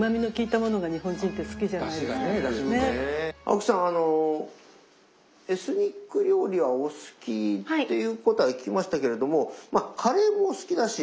青木さんあのエスニック料理はお好きっていうことは聞きましたけれどもまあカレーも好きだし